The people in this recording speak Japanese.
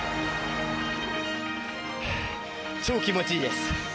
超気持ちいいです！